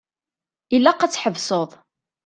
Ilaq ad tḥebseḍ.